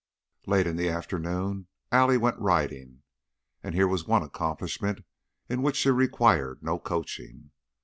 Late in the afternoon Allie went riding, and here was one accomplishment in which she required no coaching.